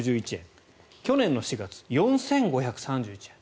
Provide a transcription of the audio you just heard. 去年の４月、４５３１円。